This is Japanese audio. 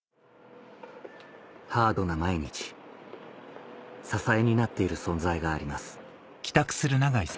ハードな毎日支えになっている存在があります